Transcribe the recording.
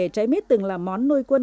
trái mít từng là món nuôi quân